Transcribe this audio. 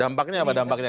dampaknya apa dampaknya